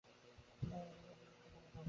যদি সম্ভব হয়, অনুগ্রহ করে কিছু টাকা পাঠাবেন।